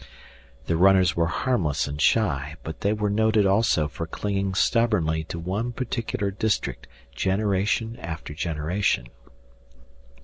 The runners were harmless and shy, but they were noted also for clinging stubbornly to one particular district generation after generation.